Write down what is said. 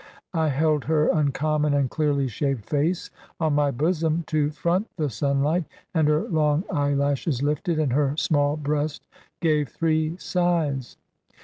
I held her uncommon and clearly shaped face on my bosom, to front the sunlight, and her long eyelashes lifted, and her small breast gave three sighs.